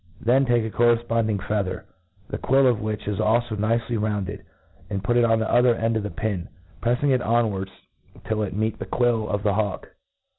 Then take a correfponding feather, the quill of which is alfo nicely rounded, and ptit it on the other end of the pin, prefSng it onward till it meet the quill of MCDfeRN FAl)LCONRY. 177 i '■ of the hawk.